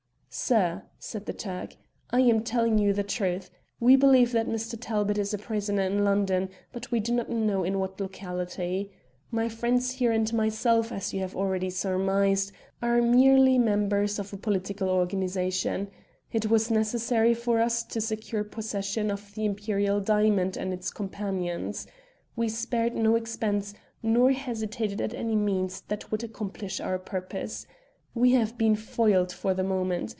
"Sir," said the Turk, "I am telling you the truth. We believe that Mr. Talbot is a prisoner in London, but we do not know in what locality. My friends here and myself, as you have already surmised, are merely members of a political organisation. It was necessary for us to secure possession of the Imperial diamond and its companions. We spared no expense, nor hesitated at any means that would accomplish our purpose. We have been foiled for the moment.